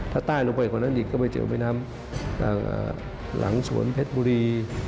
ถ้าใต้ลงไปกว่านั้นอีกก็ไปเจอแม่น้ำหลังสวนเพชรบุรี